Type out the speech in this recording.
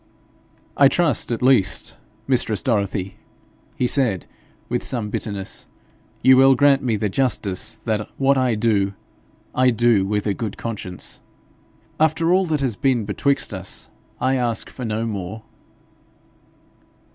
'I trust, at least, mistress Dorothy,' he said, with some bitterness, 'you will grant me the justice that what I do, I do with a good conscience. After all that has been betwixt us I ask for no more.'